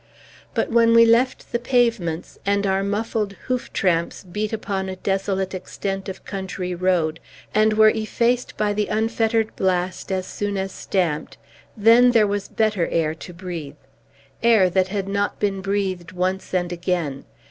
But when we left the pavements, and our muffled hoof tramps beat upon a desolate extent of country road, and were effaced by the unfettered blast as soon as stamped, then there was better air to breathe. Air that had not been breathed once and again!